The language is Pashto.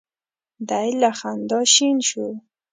دی له خندا شین شو.